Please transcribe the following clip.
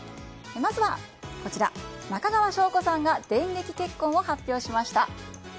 まずは中川翔子さんが電撃結婚を発表しました。